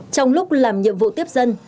trong lúc làm nhiệm vụ tiếp dân